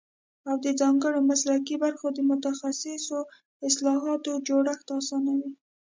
او د ځانګړو مسلکي برخو د متخصصو اصطلاحاتو جوړښت اسانوي